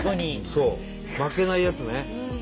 そう負けないやつね。